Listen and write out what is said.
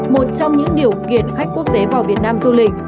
một trong những điều kiện khách quốc tế vào việt nam du lịch